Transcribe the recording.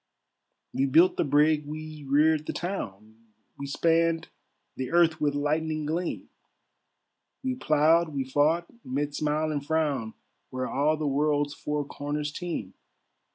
"We built the brigg, we reared the town, We spanned the earth with lightning gleam, We ploughed, we fought, mid smile and frown, Where all the world's four corners teem.